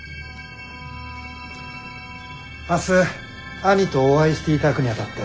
明日兄とお会していただくにあたって。